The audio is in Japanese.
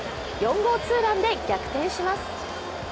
４号ツーランで逆転します。